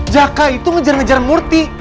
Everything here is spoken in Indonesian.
jaka itu ngejar ngejar murti